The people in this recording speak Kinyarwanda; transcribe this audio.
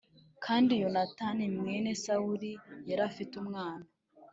Kandi Yonatani mwene Sawuli yari afite umwana